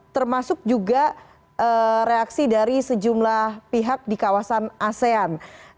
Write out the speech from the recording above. termasuk juga reaksi dari sejumlah pihak di kawasan asean